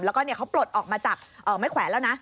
แล้วก็เขาปลดออกมาจากไม้แขวนแล้วนะ